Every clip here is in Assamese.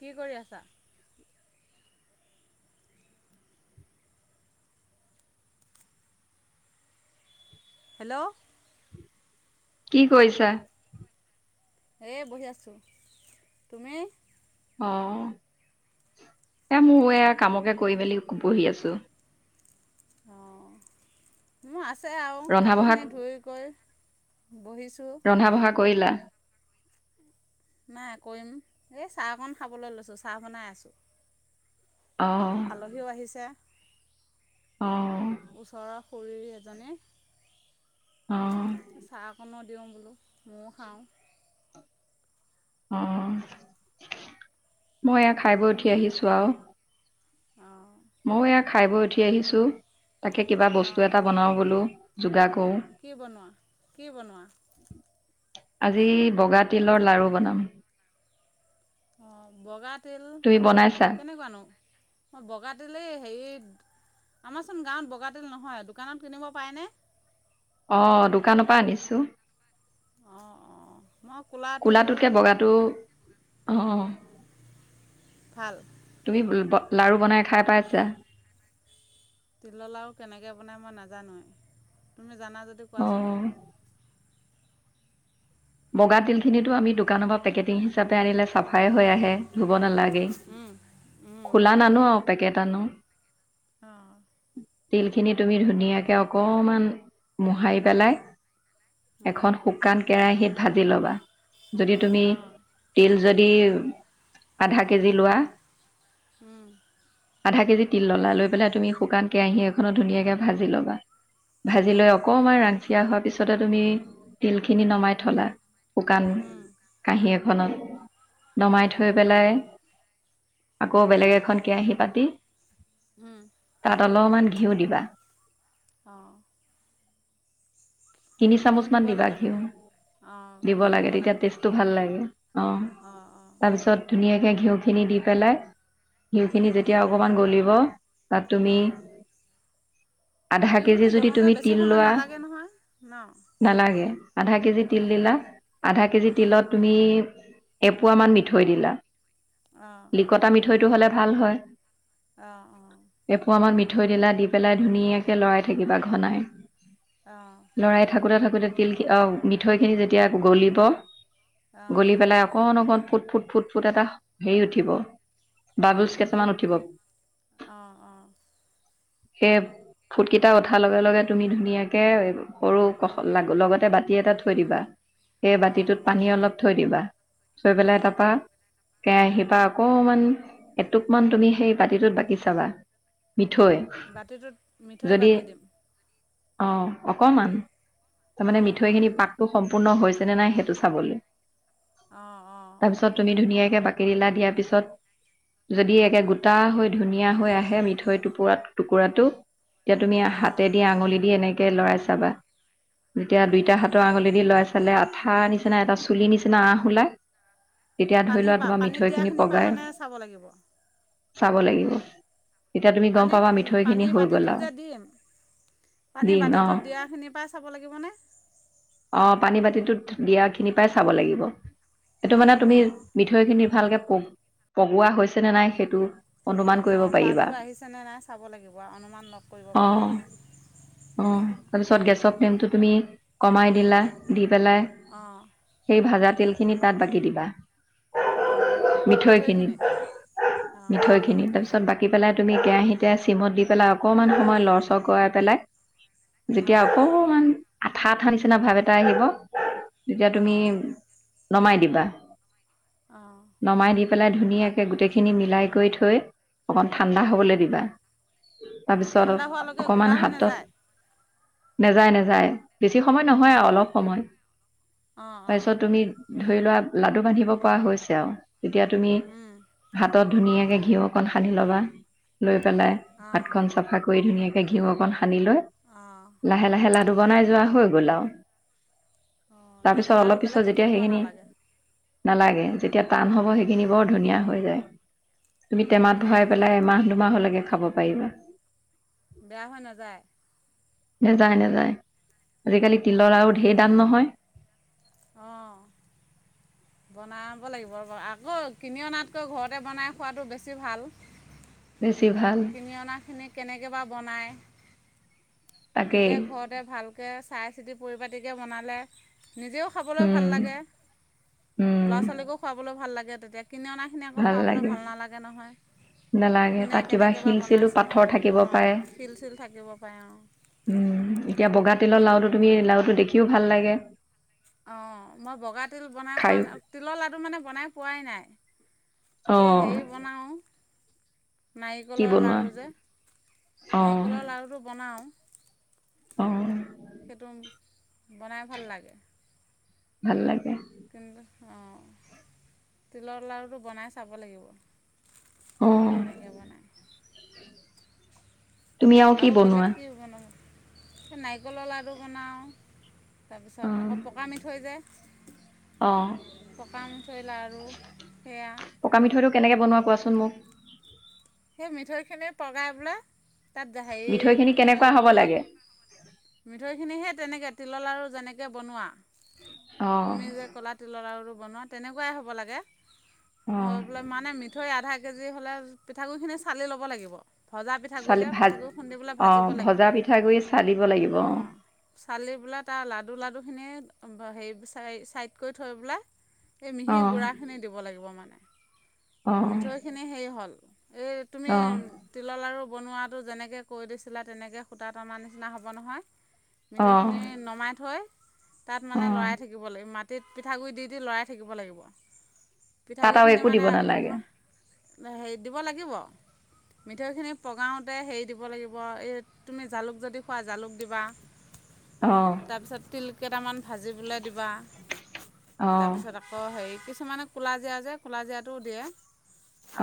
কি কৰি আছা হেল্ল' কি কৰিছা এ বহি আছোঁ তুমি অ এ মোৰ এয়া কামকে কৰি মেলি বহি আছো অ মই আছোঁ আছে আৰু ৰন্ধা বঢ়া কাপোৰখিনি ধুই কৈ ৰন্ধা বঢ়া কৰিলা নাই কৰিম এই চাহ অকণ খাবলৈ লৈছোঁ চাহ বনাই আছোঁ। অ আলহীও আহিছে। অ'। খুৰি এজনী। অ চাহ অকণত দিয়ো বোলো। মইয়ো খাওঁ। অ'। মই এয়া খাই বৈ উঠি তুমি? আহিছো আৰু। অ'। মই এয়া খাই বৈ উঠি আহিছোঁ। তাকে কিবা বস্তু অ', এটা অ'। বনাও বলো। যোগা কি বনোৱা, কি বনোৱা? আজি বগা তিলৰ লাৰু বনাম। অ', বগাত তিল তুমি বনাইছা? কেনেকুৱানো? মই বগা তিলেই হেৰি আমাৰচোন গাঁৱত বগা তিল নহয়, দোকানত কিনিব পায়নে? অ', দোকানৰ পৰা আনিছোঁ। অঁ অঁ মই ক'লা তিল ক'লাটোকে বগাটো অ' ভাল তুমি [unintelligible] লাৰু বনাই খাই পাইছা? তিলৰ লাৰু কেনেকে বনাই মই নাজানোৱে, তুমি জানা যদি কোৱাচোন। অ বগা তিলখিনিতো আমি দোকানৰ পৰা পেকেটিং হিচাপে আনিলে চাফাই হৈ আহে ব, নালাগে, খোলা নানো আ পেকেট আনো। অঁ [inaudible] তিল খিনি তুমি ধুনীয়াকে অকমান মোহাৰি পেলাই এখন শুকান কেৰাহীত ভাজি ল'বা। যদি তুমি অঁ তিল যদি আধা কেজি লোৱা উম আধা কেজি তিল ললা লৈ পেলাই তুমি শুকান কেৰাহী এখনত ধুনীয়াকে ভাজি ল'বা ভাজি লৈ অকমান ৰান য়া হোৱাৰ পিছতে তুমি তিলখিনি নমাই থলা [inaudible] শুকান কাহি এক খনত নমাই অঁ থৈ পেলাই আকৌ বেলেগ এখন কেৰাহী পাতি তাত অলমান ঘিউ দিবা অঁ তিনি ঘিউ চামুচ মান দিব দিবা লাগে ঘিউ মানে দিব লাগে তেতিয়া টেষ্ট টো ভাল লাগে অ অঁ অঁ তাৰ পিছত ধুনীয় ধুনীয়াকে ঘিউ খিনি দি পেলাই, ঘিউখিনি যেতিয়া অকমান গলিব তাত তুমি অঁ আধা কেজি ঘিউখিনি যদি গলোতে তুমি বেছি তিল সময় লোৱা, নালাগে নহয় ন নালাগে আধা কেজি তিল দিলা আধা কেজি তিলত তুমি এপোৱা মান মিঠৈ দিলা। অঁ লিকতা মিঠৈটো হ'লে ভাল হয়। অঁ এপোৱা মান মি থৈ দিলা দি পেলাই ধুনীয়াকে লৰাই থাকিবা ঘনাই। অঁ অঁ লৰাই থাকোতে থাকোতে তিলি অ মিঠৈখিনি যে তিয়া গলিব অঁ গলি পেলাই অকণ অকণ ফুট ফুট ফুট ফুট এটা হেৰি উঠিব। অঁ বাবুলজ এই কেইটামান উঠিব, অঁ অঁ সেই ফুটকিটা উঠা লগে, লগে তুমি ধুনীয়াকে সৰু ক লগতে বাতি এটা থৈ দিবা। সেই অঁ বাতিটোত পানী অলপ থৈ দিবা। থৈ পেলাই উম তাৰপা কেৰাহীপা অকমান এটুকমান তুমি সেই বাতিটোত বাকী চাবা মিঠৈ বাতিটোত মিঠৈ বাকী দিম অহ'। অকমান তাৰমানে অঁ মিঠৈ অঁ খিনি পাতটো সম্ সম্পূৰ্ণ হৈছে নে নাই সেইটো চাবলৈ। অঁ অঁ তাৰ পিছত তুমি ধুনীয়াকে বাকি দিলা দিয়াৰ পিছত, যদি একে গোটা হৈ ধুনীয়া হৈ আহে মিঠৈ টুকুৰা টুকুৰাটো তেতিয়া তুমি অঁ হাতে দি, আঙুলি দি এনেকে লৰাই চাবা যেতিয়া অঁ দুইটা হাতৰ আঙুলি দি লৰাই পিছলে আঠা নিচিনা এটা চুলি নিচিনা আহ ওলাই তেতিয়া ধৰি লোৱা পানীৰ পা। তোমাৰ পানীত মিঠৈখিনি দিয়াখিনিৰ পৰা পগাই মানে চাব লাগিব? চাব লাগিব। তেতিয়া তুমি গম পানীত পাবা মিঠৈখিনি পানী হৈ গ'ল বাতিটোত আৰু যে দিম পানী দিম অঁ বাতিটোত দিয়াখিনিৰ পৰা চাব লাগিবনে? অঁ পানী বাতিটোত দিয়া খিনি পাই চাব লাগিব। এইটো মানে অঁ তুমি অঁ মিঠৈ খিনি ভালকে পগ পগোৱা হৈছে নে নাই সেইটো অনুমান কৰিব অঁ পাৰিবা। পাকটো আহিছেনে নাই চাব লাগিব আৰু অনুমান লগ কৰিব পাৰিম অ' অ' অঁ তাৰ পিছত গেচৰ ফ্লেমটো তুমি কমাই দিলা দি পেলাই অঁ সেই ভাজাত তেল খিনি তাত বাকী দিবা। মিঠৈখিনিত অঁ মিঠৈখিনিত। তাৰ পিছত বাক দি পেলাই তুমি কেৰাহীতে চিমত দি পেলাই অকনমান সময় লৰচৰ কৰাই পেলাই যেতিয়া অঁ অ'কমান আঠা আঠা নিচিনা ভাব এট টা আহিব তেতিয়া তুমি অঁ নমাই দিব অঁ [unintelligible] নমাই দি পেলাই ধুনীয়াকে গোটেই খিনি মিলাই কৰি থৈ অকন ঠাণ্ডা হবলৈ দিবা অঁ তাৰপিছত ঠাণ্ডা হোৱালৈকে অকমান গোটা হৈ হাতত নাযায় নেযায় নেযায়। বেছি সময় নহয় আৰু অঁ অলপ। সময়। অঁ অঁ তাৰপিছত তুমি ধৰি লোৱা লাডু বান্ধিব পৰা হৈছে আৰু তেতিয়া তুমি উম হাতত ধুনীয়াকে ঘিউ অকন সানি ল'বা লৈ পেলাই অঁ হাতখন চাফা কৰি ধুনীয়াকে ঘিউ অকণ সানি লৈ অঁ লাহে, লাহে লাডু বনাই যোৱা হৈ গ'ল আৰু। অঁ তাৰপিছত, তেনেকৈ আৰু অলপ পিছত বেলেগ একো যেতিয়া দিব সেইখিনি নালাগে নালাগে, যেতিয়া টান হ'ব সেইখিনি অঁ বৰ ধুনীয়া হৈ যায়। তুমি টেমাত ভৰাই অঁ পেলাই এমাহ, দুমাহৰ লৈকে খা খাব পাৰিবা। বেয়া হৈ নাযায়? নেযায় নেযায় আজিকালি তিলৰ লাড়ু ধেৰ দাম নহয়। অ। বনাব লাগিব আ আকৌ কিনি অনাতকৈ ঘৰতে বনাই খোৱাটো বেছি ভাল। বেছি ভাল কিনি অনাখিনি কেনেকে বা বনায়? তাকেই নিজে ঘৰতে ভালকে চা। চাই, চিতি পৰিপাটিকে বনালে। নিজেও খাবলৈ ভাল উম লাগে, উম ল'ৰা -ছোৱালীকো খুৱাবলৈ ভাল লাগে। তে তেতিয়া। কিনি অনাখিনি আকৌ খুৱাবলৈ ভাল নালাগে নহয়, নালাগে কোনে তাত কিবা কেনেকে বা শিল চিলো বনাইছে, পাথৰ থাকিব অ পাৰে শিল চিল থাকিব পাৰে অ। উম এতিয়া বগা ততিলৰ লাওটো তুমি লাৰুটো দেখিও ভাল লাগে। অ মই বগা তিল বনাই খাই পোৱা না, অ তিলৰ লাডু মানে বনাই পোৱাই নাই। অ এই হেৰি বনাওঁ। কি নাৰিকলৰ বনোৱা লাৰু যে, অ নাৰিকলৰ লাৰুটো বনাওঁ। অ। সেইটো বনাই ভাল লাগে। ভাল লাগে। কিন্তু, অ তিলৰ লাৰুটো বনাই চাব লাগিব? অ কেনেকে বনাই? তুমি কি আৰু বনোৱা বেলেগ কি হব নো। এ নাৰিকলৰ লাড়ু বনাওঁ। অ তাৰপিছত আকৌ পকা মিঠৈ যে। অ। পকা মিঠৈ, ‌ লাৰু। পকা মিঠৈটো কেনেকে বনোৱা কোৱাচো? সমখ। মিঠৈ খিনি পগাই বোলে তাত হেৰি মিঠৈখিনি তে কেনেকুৱা হ'ব তিলৰ লাগে মিঠৈখিনিহে তেনেকে তিলৰ লাৰু যেনেকে বনোৱা অ তুমি যে কলা তিলৰ লাৰু বনোৱা তেনেকুৱাই হ'ব লাগে অ হয় বোলে মানে মিঠৈ আধা এক কেজি হলে পিঠাগুৰি খিনি চালি লব লাগিব ভজা পিঠাগুৰি চালি যে, ভাজ পিঠাগু় খুন্দিলৈ অ ভাজিব লাগিব। ভজা পিঠাগুড়ি চালিব লাগিব অ অঁ, চালি [unintelligible] লাডুখিনিয়ে হেৰি-হে ছাইড কৰি থৈ পেলাই। এই অ মিহি গুড়াখিনি দিব লাগিব মানে। মিঠৈ খিনি হেৰি হ'ল। অঁ। বনোৱাতো যেনেকে কৈ দিছিলা তেনেকে সূতাত আমাৰ নিনা নিচিনা হ'ব নহয়। অ মিঠৈখিনি নমাই থৈ। তাত অ মানে লৰাই থাকিব লাগিব মাত তিল পিঠাগুড়ি দি - দি লৰাই থাকিব লাগিব। তাত আৰু পিঠাগুড়িখিনি একো মানে দিব নালাগে। ইমান হেৰি দিব লাগিব, মিঠৈখিনি পগাওঁতে হেৰি দিব লাগিব এই তুমি জালুক যদি খোৱা জালুক দিবা। অ তাৰপিছত তিল। কেটামান। ভাজিবলে দিবা, অ তাৰপিছত আকৌ হেৰি কি। কিছুমানে ক'লাজিৰা যে, ক'লাজিৰাটো দিয়ে।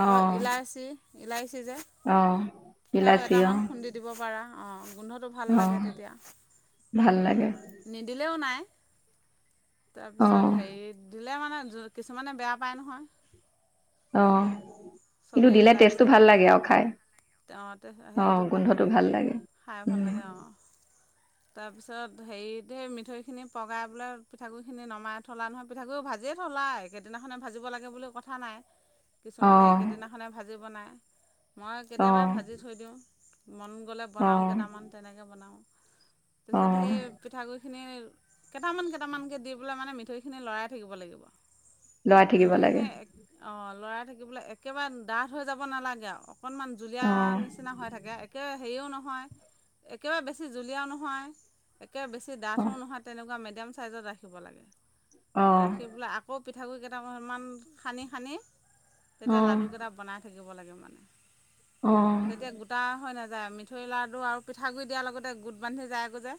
অ ইলাচি। ইলাই। চি যে, অ সেয়াও বিলাচী অ এটামান খুন্দি দিব পাৰা। অহ গোন্ধ। ত ভাল অ লাগে তেতিয়া, ভাল লাগে নিদিলেও নাই। অ তাৰপিছত হেৰি দিলে মানে। যো কিছুমানে বেয়া পায় নহয়। অ, কিন্তু চবেই দিলে টেষ্টটো ইলাচিটো ভাল লাগে আৰু নাপায় খাই, অ গোন্ধটো ভাল লাগে, খাই ভাল উম। লাগে অঁ, তাৰপিছত হেৰিতে মিঠৈখিনি পগাই বোলে পিঠাগুৰিখিনি নমাই থলা নহয় পিঠাগুৰি ভাজিয়ে থলা এইকেইদিনাখনে ভাজিব লাগে বুলি কথা নাই। অ কিছুমানে একেদিনাখনে ভাজি বনায়। মই অ কেতিয়াবা ভাজি থৈ দিওঁ। মন গ'লে অ বনাওঁ যে। কেইটামান তেনেকে বনাওঁ। তাৰ অ পিছত সেই পিঠাগুৰি। খিনি কেইটামান, কেইটামানকৈ, দি পেলাই মানে মিঠৈখিনি লৰাই থাকিব লাগিব। লৰাই থাকিব মিঠৈ লাগে খিনি অ। লৰাই থাকিবলৈ একেবাৰে ডাঠ হৈ যাব নালাগে আৰু। অকনমান জুলীয়া অ নিচিনা হৈ থাকে একে। হেৰিও নহয়। একেবাৰে বেছি জুলীয়াও নহয়। একে বেছি অ ডাঠো নহয় তেনেুৱা মে। মিডিয়াম ছাইজত ৰাখিব লাগে। অ ৰাখি পেলাই আকৌ। পিঠাগুৰি কেইটামান সানি সানি। অ তেতিয়া লাডু কেইটা বনাই থাকে। থাকিব লাগে মানে। অ তেতিয়া গোটা হয় নাজা। যায় মিঠৈ লাডু আৰু। পিঠাগুড় দিয়াৰ লগতে গুত বান্ধি যাওঁ একো যায়।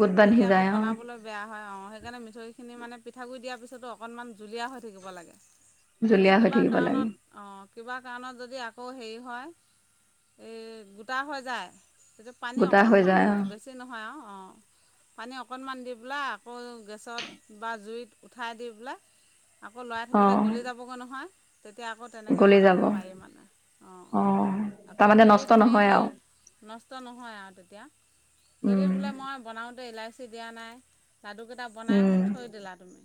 গোট বান্ধি তেতিয়া আকৌ যায় অ বনাবলৈ বেয়া হয় অ সেই। সেইকাৰণে মিঠৈ খিনি মানে পিঠাগুৰি দিয়াৰ পিছতো অকনমান জুলীয়া হৈ থাকিব লাগে। যদি জুলীয়া হৈ কিবা থাকিব লাগে কাৰণত অ। কিবা কাৰণত যদি আকৌ হেৰি হয় এই গোটা হৈ যায়। পানী গোটা হৈ অকণমান যায় অ বেছি নহয় আও। অঁ পানী অকণমান দি পেলাই আকৌ গেছত বা জুইত উঠাই দি পেলাই। আকৌ লৰাই অ থাকিলে গলি যাবগৈ নহয়। তেতিয়া আকৌ তেনেকৈ গলি বনাব যাব পাৰি মানে অঁ অ আকৌ তাৰমানে যদি নষ্ট তুমি নহয় হেই। আৰু নষ্ট ন হয় আৰু তেতিয়া যদি উম বোলে মই বনাওঁ এল আই চি দিয়া নাই লাডুকেইটা বনাই উম থৈ দিলা তুমি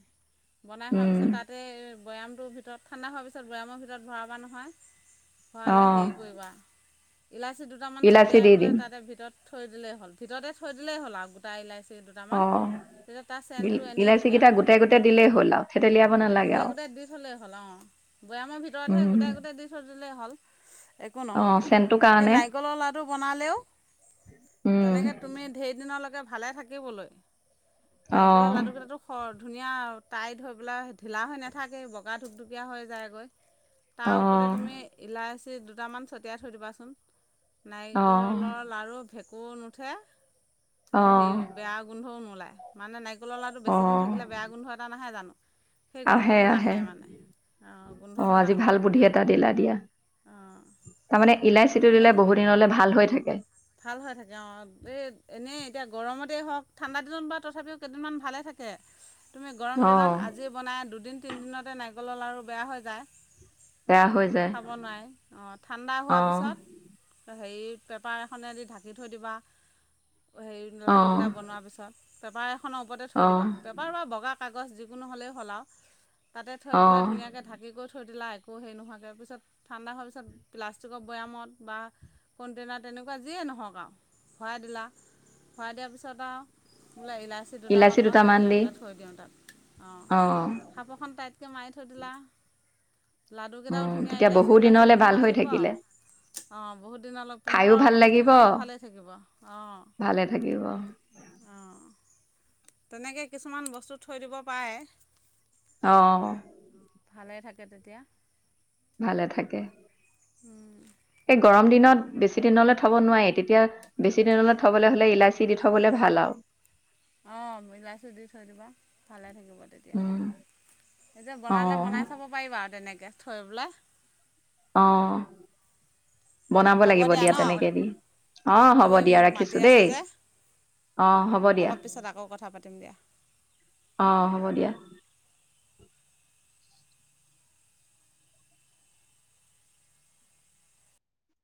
বনাই হোৱাৰ উম পিছত তাতেই। বৈয়ামটো ভিতৰত ঠাণ্ডা হোৱাৰ পিছত বৈয়ামৰ ভিতৰত ভৰাবা নহয়। অ খোৱালে হেৰি কৰিবা ইলাচী দুটামান ইলাচি ছটিয়াই দি দিম পেলাই ভিতৰত থৈ দিলেই হ'ল ভিতৰতে থৈ দিলেই হ'ল আৰু গোটা ইলাইচি অ দুটামান তেতিয়া তাৰ দি চেনটো এনেই ইলাচি ধুনীয়া কেইটা হৈ গোটে থাকিব গোটে দিলেই হ'ল আৰু থেতেলিয়াব নালাগে গোটেই আৰু গোটেই দি থ'লেই হ'ল অঁ বৈয়ামৰ ভিতৰতহে উম গোটেই গোটেই দি থৈ দিলেই হ'ল একো অ নহয় চেনটো সেই কাৰণে নাৰিকলৰ লাটো বনালেও উম তেনেকে তুমি ধেই দিন আপোনালোকে ভালে থাকিবলৈ। অ নাৰিকলৰ লাডুকেইতাটো খদ। ধুনীয়া টাইট হৈ পেলাই ঢিলা হৈ নাথাকেই বগা ঢ়ুপঢ়ুপিয়া হৈ যায়গৈ। তাৰ অ ওপৰতে তুমি ইলাচ। চি দুটামান ছটিয়াই থৈ দিবাচোন। নাই। অ [unintelligible] লৰ লাৰু ভেক। গুৰ নুঠে অ আৰু সেও বেয়া গোন্ধও নোলায়। মানে নাৰি কলৰ লাৰু অ বেছিদিন থাকিলে বয়া গোন্ধ এটা নাহে জানো? সেই আহে গোন্ধটো আহে নাহে মানে অঁ গোন্ধটো অ' আজি নাহে ভাল বুদ্ধি এটা দিলা দিয়া। অঁ আৰু তাৰমানে ইলাচীটো দিলে ধুনীয়া বহুত দিনলে ভাল হৈ থাকে। ভাল হৈ থাকে অঁ এই এনেই এতিয়া গৰমতেই হওঁক ঠাণ্ডাাদিনত বা তথাপিও কেইদিনমান ভালেই থাকে। তুমি গৰম অ দিনত আজি বনাই দুদিন তিনিদিনতে নাৰিকলৰ লাৰু বেয়া হৈ যায়। বেয়া হৈ যায় খাব নোৱাৰি অ'। ঠাণ্ডা অ হোৱাৰ পিছত হেৰি পেপাৰ খনেদি ঢাকি থৈ দিবা। হেৰি অ লাডুকেইটা বনোৱাৰ পিছত। পেপাৰে খনৰ ওপৰতে থৈ অ দিবা। পেপাৰ বা বগা কাগজ যিকোনো হ'লেই হ'ল আও। তাতে থৈ অ বেলাই ধুনীয়াকে ঢাকি কৰি থৈ থৈ দিলা একো হেৰি নোহোৱাকৈ পিছত ঠাণ্ডা হোৱাৰ পিছত প্লাষ্টিকৰ বৈয়ামত বা কণ্টেইনাৰত তেনেক কোৱা যিয়েই নহওক আও ভৰাই দিলা ভৰাই দিয়াৰ পিছত আও বোলে ইলাচী দুটামান ইলাচি মই ছটিয়াই দি পেলাই থৈ দিওঁ তাত অ' সাফঁৰখন তাইত ক মাৰি থৈ দিলা। লাডুকেইটাও উম ধুনীয়া তেতিয়া ইলাচী বহু ইলাচী দিনলে গোন্ধ ভাল হৈ আহিব অ' থাকিলে বহুত দিনলৈ খায়ো পোন্ধৰ ভাল বিছ লাগিব দিনলৈ ভালেই থাকিব অ' অ'। ভালে থাকিব তেনেকে কিছুমান বস্তু থৈ দিব পাৰে। অ'। ভালে থাকে তেতিয়া। ভালে থাকে উম [inaudible] এই গৰম দিনত বেছি দিনলৈ থব নোৱাৰি তেতিয়া বেছি দিনলৈ থবলৈ হ'লে ইলাচি দি থবলৈ ভাল আৰু অ' বিলাহীটো দি থৈ দিবা ভালে থাকিব তেতিয়া, উম, এই যে অ বনালে বনাই চাব পাৰিবা আৰু তেনেকৈ। [unintelligible] অ'। বনাব হ'ব লাগিব দিয়া ন তেনেকে এদিন। অ' হ'ব এই দিয়া মোক মাতি ৰাখিছো আছে দেই যে অ' হ'ব দিয়া অলপ পিছত আকৌ কথা পাতিম দিয়া অ' হ'ব দিয়া। [inaudible]